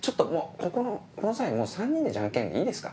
この際もう３人でじゃんけんでいいですか？